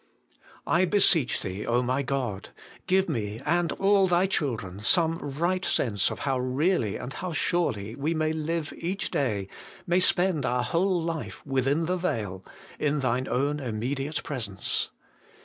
I beseech Thee, my God ! give me, and all Thy children, some right sense of how really and surely we may live each day, may spend our whole life, within the veil, in Thine own Immediate Presence.